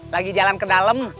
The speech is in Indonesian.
lagi jalan ke dalam